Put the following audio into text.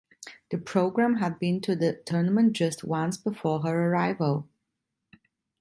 The program had been to the tournament just once before her arrival.